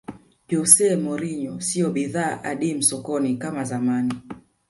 jose mourinho siyo bidhaa adimu sokoni kama zamani